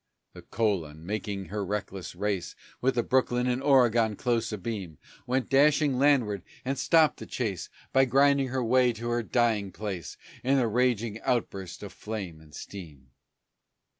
The Colon, making her reckless race With the Brooklyn and Oregon close a beam, Went dashing landward and stopped the chase By grinding her way to her dying place In a raging outburst of flame and steam.